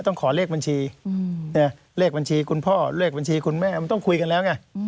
ต้องขอเลขบัญชีเลขบัญชีคุณพ่อเลขบัญชีคุณแม่มันต้องคุยกันแล้วไง